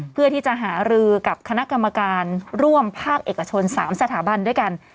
เพื่อที่จะหารือกับคณะกรรมการร่วมภาคเอกชน๓สถาบันด้วยกัน